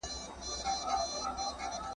په لښکر کي یې شامل وه ټول قومونه ,